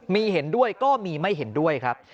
มีเห็นด้วยก็มีไม่เห็นด้วยครับ